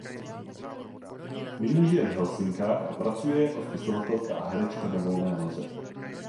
Nyní žije v Helsinkách a pracuje jako spisovatelka a herečka na volné noze.